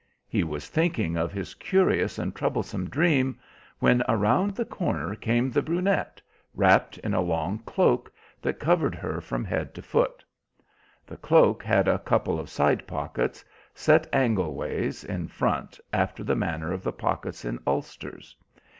He was thinking of his curious and troublesome dream, when around the corner came the brunette, wrapped in a long cloak that covered her from head to foot. The cloak had a couple of side pockets set angleways in front, after the manner of the pockets in ulsters.